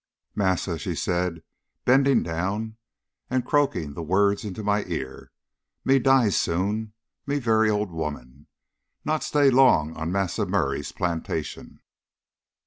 "Massa," she said, bending down and croaking the words into my ear, "me die soon. Me very old woman. Not stay long on Massa Murray's plantation."